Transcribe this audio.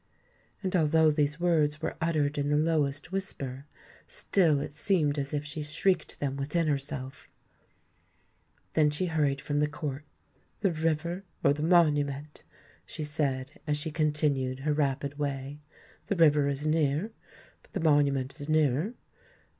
And although these words were uttered in the lowest whisper, still it seemed as if she shrieked them within herself. Then she hurried from the court. "The river—or the Monument," she said, as she continued her rapid way: "the river is near—but the Monument is nearer.